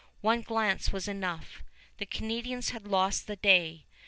One glance was enough. The Canadians had lost the day.